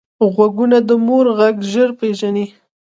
غوږونه د مور غږ ژر پېژني